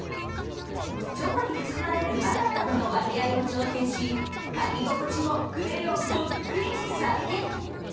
チョコに含まれるバターなどの割合を調整し描き心地もクレヨンそっくりに再現。